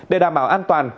để đảm bảo an toàn